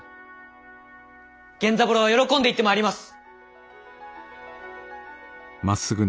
源三郎は喜んで行ってまいります！